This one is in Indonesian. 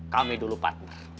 kami dulu partner